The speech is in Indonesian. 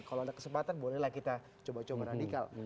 kalau ada kesempatan bolehlah kita coba coba radikal